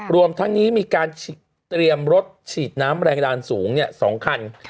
รวมทั้งนี้มีการเตรียมรถฉีดน้ำแรงดันสูง๒คัน